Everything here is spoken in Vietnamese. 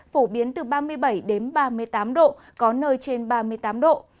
phổ biến từ ba mươi bảy đến ba mươi tám độ có nơi trên ba mươi tám độ